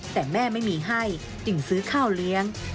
แต่แม่ไม่มีให้จึงซื้อข้าวเลี้ยง